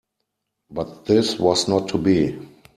But this was not to be.